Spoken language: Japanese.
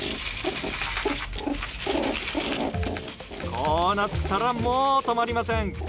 こうなったらもう止まりません。